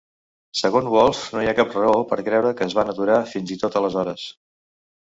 Segons Wolf, no hi ha cap raó per creure que es van aturar fins i tot aleshores.